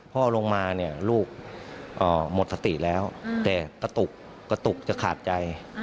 พ่อลงมาเนี่ยลูกหมดสติแล้วแต่กระตุกกระตุกจะขาดใจ